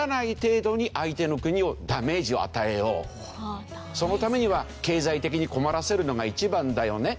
だから他の国はそのためには経済的に困らせるのが一番だよね。